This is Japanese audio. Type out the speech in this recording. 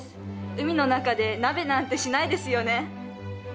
海の中で鍋なんてしないですよね。